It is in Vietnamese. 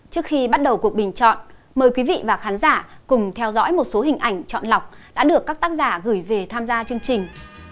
trước khi bắt đầu cuộc bình chọn mời quý vị và khán giả cùng theo dõi một số hình ảnh chọn lọc đã được các tác giả gửi về tham gia chương trình